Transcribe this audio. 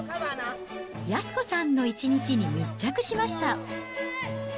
安子さんの一日に密着しました。